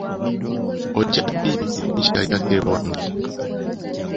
Ojja ddi okunkyalirako ewange?